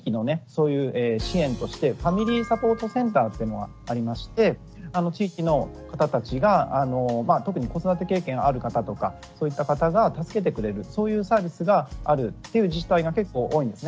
そういう支援としてファミリーサポートセンターっていうのがありまして地域の方たちが特に子育て経験ある方とかそういった方が助けてくれるそういうサービスがあるっていう自治体が結構多いんですね。